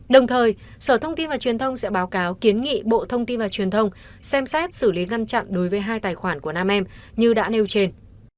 đồng thời sở thông tin và truyền thông sẽ báo cáo kiến nghị bộ thông tin và truyền thông xem xét xử lý ngăn chặn đối với hai tài khoản của nam em như đã nêu trên